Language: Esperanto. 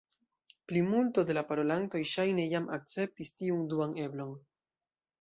Plimulto de la parolantoj ŝajne jam akceptis tiun duan eblon.